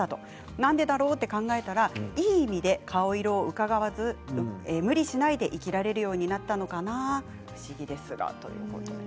何でだろうと考えたらいい意味で顔色をうかがわず無理しないで生きられるようになったのかな不思議ですがということです。